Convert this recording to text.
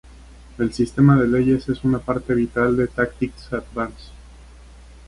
El sistema de leyes es una parte vital de Tactics Advance.